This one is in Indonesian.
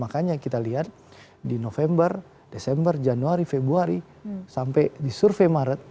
makanya kita lihat di november desember januari februari sampai di survei maret